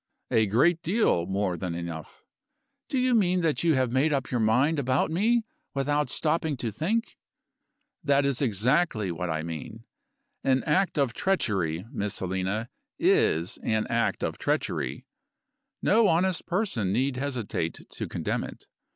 "A great deal more than enough." "Do you mean that you have made up your mind about me without stopping to think?" "That is exactly what I mean. An act of treachery, Miss Helena, is an act of treachery; no honest person need hesitate to condemn it.